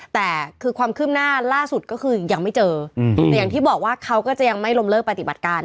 แต่คือความคืบหน้าล่าสุดก็คือยังไม่เจอแต่อย่างที่บอกว่าเขาก็จะยังไม่ล้มเลิกปฏิบัติการ